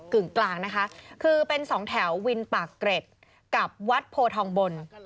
กึ่งกลางนะคะคือเป็นสองแถววินปากเกร็ดกับวัดโพทองบน